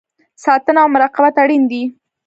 ساتنه او مراقبت اړین دی